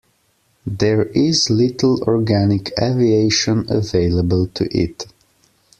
There is little organic aviation available to it.